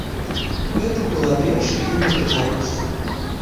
Гэта была першая яе непрытомнасць.